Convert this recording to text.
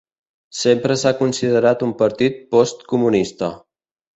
Sempre s'ha considerat un partit postcomunista.